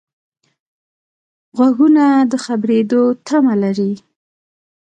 غوږونه د خبرېدو تمه لري